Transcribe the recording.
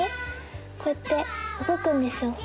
こうやって動くんですよ